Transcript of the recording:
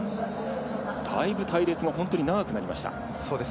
だいぶ隊列が長くなりました。